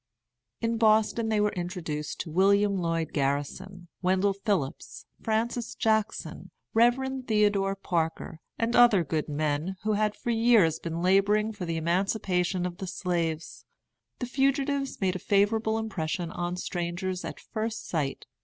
In Boston they were introduced to William Lloyd Garrison, Wendell Phillips, Francis Jackson, Rev. Theodore Parker, and other good men, who had for years been laboring for the emancipation of the slaves. The fugitives made a favorable impression on strangers at first sight.